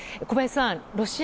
小林さん